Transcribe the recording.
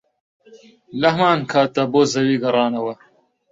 لەهەمانکاتدا بۆ زەوی گەڕانەوە